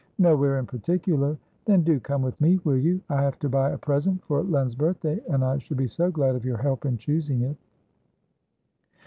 "Nowhere in particular." "Then do come with me, will you? I have to buy a present for Len's birthday, and I should be so glad of your help in choosing it."